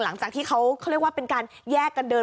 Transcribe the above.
หลังจากที่เขาเรียกว่าเป็นการแยกกันเดิน